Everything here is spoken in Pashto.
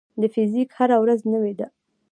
د فزیک هره ورځ نوې ده.